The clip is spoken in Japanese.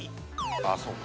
あっそうか。